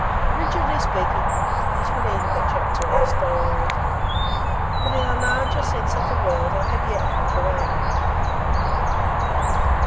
Rigidly speaking, this would end the chapter of the stowaways; but in a larger sense of the word I have yet more to add.